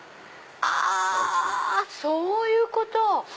あそういうこと！